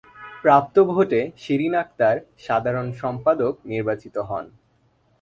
প্রাপ্ত ভোটে শিরীন আখতার সাধারণ সম্পাদক নির্বাচিত হন।